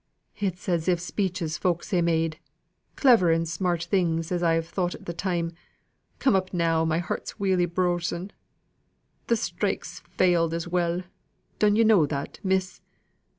It's as if speeches folk ha' made clever and smart things as I've thought at the time come up now my heart's welly brossen. Th' strike's failed as well; dun yo' know that, miss?